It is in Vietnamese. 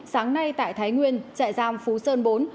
sáng nay tại thái nguyên trại giam phú sơn bốn